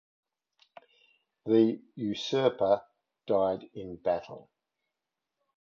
The usurper died in battle.